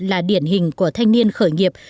là điển hình của thanh niên khởi nghiệp